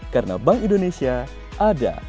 karena bank indonesia ada